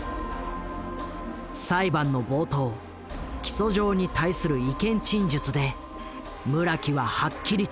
裁判の冒頭起訴状に対する意見陳述で村木ははっきりと述べた。